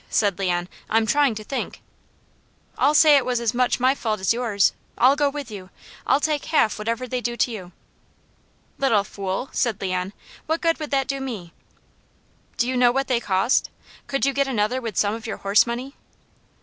said Leon. "I'm trying to think." "I'll say it was as much my fault as yours. I'll go with you. I'll take half whatever they do to you." "Little fool!" said Leon. "What good would that do me?" "Do you know what they cost? Could you get another with some of your horse money?"